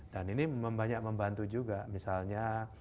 ini banyak membantu juga misalnya